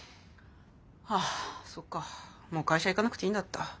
あっそっかもう会社行かなくていいんだった。